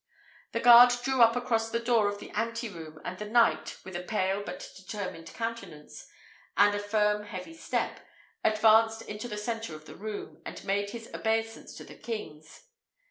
The guard drew up across the door of the anteroom; and the knight, with a pale but determined countenance, and a firm heavy step, advanced into the centre of the room, and made his obeisance to the kings.